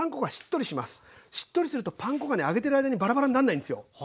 しっとりするとパン粉がね揚げてる間にバラバラになんないんすよ。